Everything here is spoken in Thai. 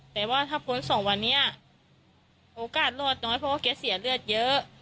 แต่ว่าถ้าพ้นสองวันนี้โอกาสรอดน้อยเพราะว่าแกเสียเลือดเยอะ